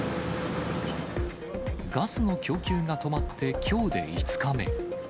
ガスの供給が止まってきょうで５日目。